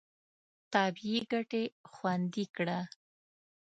طبیعي ګټې خوندي کړه.